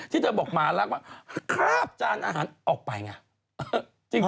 ที่เธอบอกหมารักว่าคาบจานอาหารออกไปไง